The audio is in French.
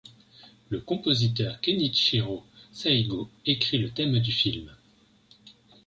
Le compositeur Kenichirō Saigō écrit le thème du film.